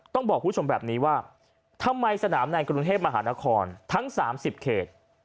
ต้องบอกคุณผู้ชมแบบนี้ว่าทำไมสนามในกรุงเทพมหานครทั้ง๓๐เขต